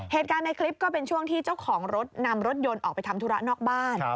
เหตุการณ์ในคลิปก็เป็นช่วงที่เจ้าของรถนำรถยนต์ออกไปทำธุระนอกบ้าน